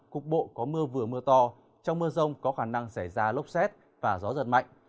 cục bộ có mưa vừa mưa to trong mưa rông có khả năng xảy ra lốc xét và gió giật mạnh